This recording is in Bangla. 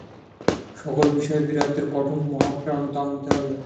সকল বিষয়ে বীরত্বের কঠোর মহাপ্রাণতা আনতে হবে।